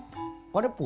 nggak aku udah pulang